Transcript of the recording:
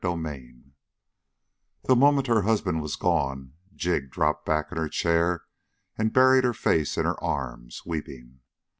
34 The moment her husband was gone, Jig dropped back in her chair and buried her face in her arms, weeping.